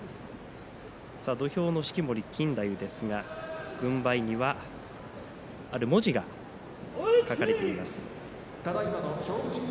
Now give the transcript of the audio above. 土俵の式守錦太夫ですが軍配にはある文字が書かれています。